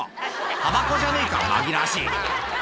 たばこじゃねえか、紛らわしい。